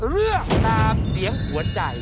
เรื่องนามเสียงหัวใจ